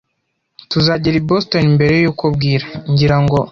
Tuzagera i Boston mbere yuko bwira, ngira ngo